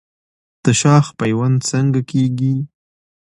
د شاخ پیوند څنګه کیږي؟